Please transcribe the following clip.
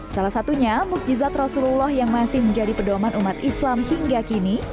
salah satunya mukjizat rasulullah yang masih menjadi pedoman umat islam hingga kini